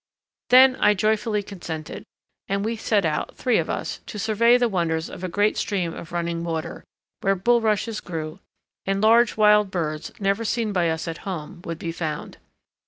Then I joyfully consented and we set out, three of us, to survey the wonders of a great stream of running water, where bulrushes grew and large wild birds, never seen by us at home, would be found.